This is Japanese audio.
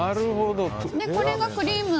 これがクリーム。